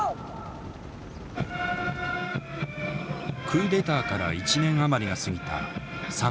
クーデターから１年余りが過ぎた３月下旬。